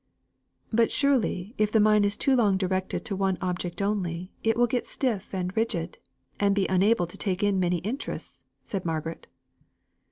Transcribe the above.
"But, surely, if the mind is too long directed to one object only, it will get stiff and rigid, and unable to take in many interests," said Margaret.